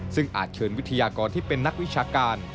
ซึ่งอาจเชิญวิทยากรที่เป็นนักวิชาการ